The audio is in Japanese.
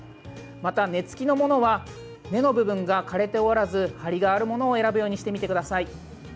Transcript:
また、根付きのものは根の部分が枯れておらずハリがあるものを選ぶようにしてみてください。